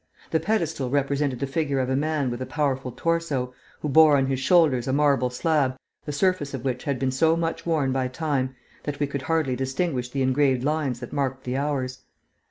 The pedestal represented the figure of a man with a powerful torso, who bore on his shoulders a marble slab the surface of which had been so much worn by time that we could hardly distinguish the engraved lines that marked the hours.